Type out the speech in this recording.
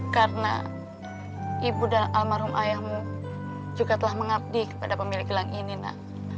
karena ibu dan almarhum ayahmu juga telah mengabdi kepada pemilik gelang ini nak